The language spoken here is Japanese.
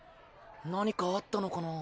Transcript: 何かあったのかな？